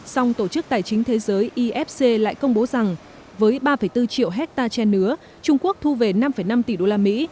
song tổ chức tài chính thế giới ifc lại công bố rằng với ba bốn triệu hectare che nứa trung quốc thu về năm năm tỷ đô la mỹ